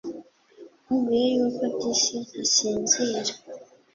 Nkubwiye yuko disi ntasinzira